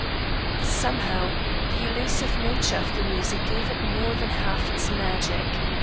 Somehow the elusive nature of the music gave it more than half its magic.